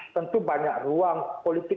tentu banyak ruang politik